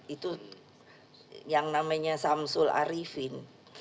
itu yang namanya samsul arifin